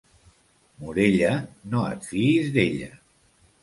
Morella, no et fiïs d'ella.